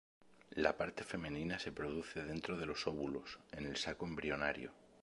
La parte femenina se produce dentro de los óvulos, en el saco embrionario.